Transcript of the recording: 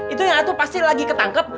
itu yang aku pasti lagi ketangkep